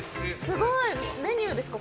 すごいメニューですか？